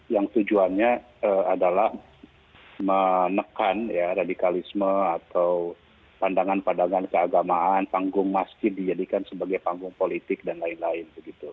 yang tujuannya adalah menekan radikalisme atau pandangan pandangan keagamaan panggung masjid dijadikan sebagai panggung politik dan lain lain